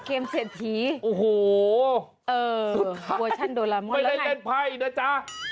เกมเศรษฐีสุดท้ายโอ้โหไม่ได้เล่นไพ่นะจ๊ะ